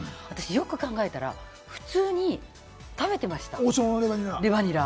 よく考えたら普通に食べてました、レバニラ。